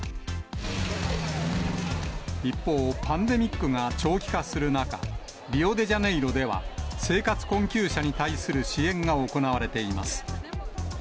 一方、パンデミックが長期化する中、リオデジャネイロでは、生活困窮者に対する支援が行われています。